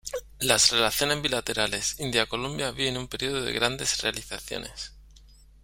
Las Relaciones Bilaterales India-Colombia viven un periodo de grandes realizaciones.